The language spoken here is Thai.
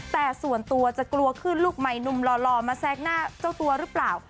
แต่ส่วนตัวจะกลัวขึ้นลูกใหม่หนุ่มหล่อมาแซกหน้าเจ้าตัวหรือเปล่า